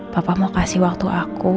bapak mau kasih waktu aku